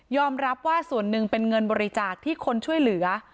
รับว่าส่วนหนึ่งเป็นเงินบริจาคที่คนช่วยเหลือ